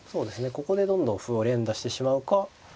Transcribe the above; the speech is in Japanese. ここでどんどん歩を連打してしまうか